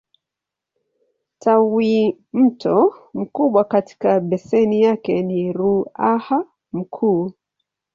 Tawimto mkubwa katika beseni yake ni Ruaha Mkuu.